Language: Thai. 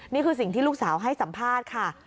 นี่คือสิ่งที่ลูกสาวให้สัมภาษณ์ค่ะ